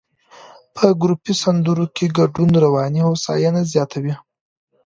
په ګروپي سندرو کې ګډون رواني هوساینه زیاتوي.